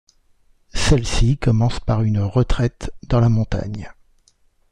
Celle-ci commence par une retraite dans la montagne.